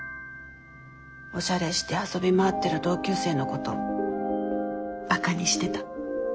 おしゃれして遊び回ってる同級生のことバカにしてた。